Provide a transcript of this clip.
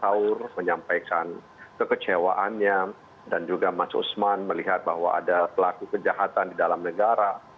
saur menyampaikan kekecewaannya dan juga mas usman melihat bahwa ada pelaku kejahatan di dalam negara